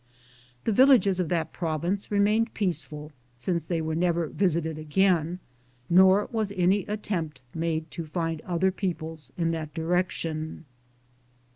The villages of that prov ince remained peaceful, since they were never visited again, nor was any attempt made to find other peoples in that direction.